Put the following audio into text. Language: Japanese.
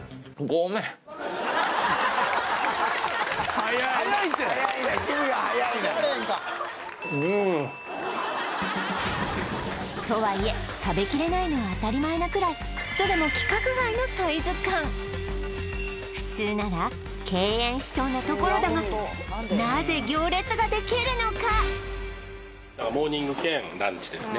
早い早いて言うの早いなとはいえ食べきれないのは当たり前なくらい普通なら敬遠しそうなところだがなぜ行列ができるのか？